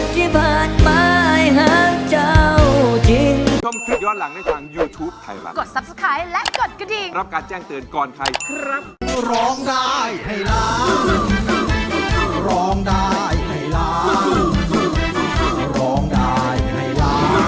กดกระดิ่งรับการแจ้งเตือนก่อนใครครับ